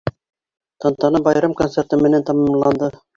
Тантана байрам концерты менән тамамланды.